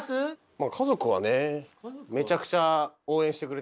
まあ家族はねめちゃくちゃ応援してくれてる。